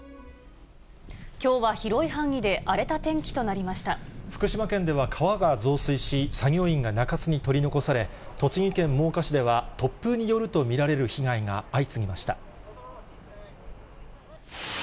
きょうは広い範囲で荒れた天福島県では川が増水し、作業員が中州に取り残され、栃木県真岡市では、突風によると見られる被害が相次ぎました。